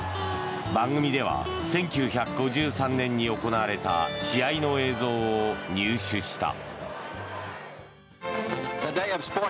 番組では１９５３年に行われた試合の映像を入手した。